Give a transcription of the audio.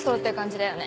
だよね。